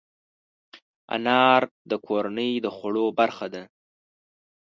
انار د کورنۍ د خوړو برخه ده.